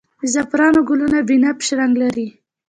د زعفران ګلونه بنفش رنګ لري